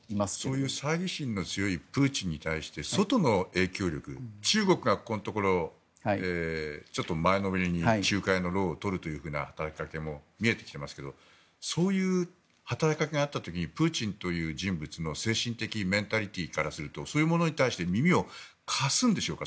そういうさいぎ心の強いプーチンに対して外の影響力中国がここのところちょっと前のめりに仲介の労を取るという働きかけも見えてきてますけどそういう働きかけがあった時にプーチンという人物の精神的メンタリティーからするとそういうものに対して耳を貸すんでしょうか。